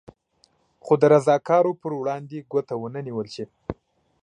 خو د رضاکارو پر وړاندې ګوته ونه نېول شي.